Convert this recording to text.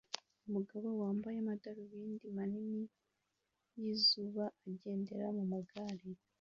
Umugabo wambaye amadarubindi manini yizuba agendera mumagare